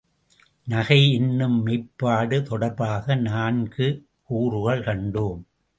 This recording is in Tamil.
நகை என்னும் மெய்ப்பாடு தொடர்பாக நான்கு கூறுகள் கண்டோம்.